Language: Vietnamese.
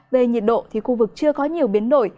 về nhiệt độ thì khu vực chưa có nhiều biến đổi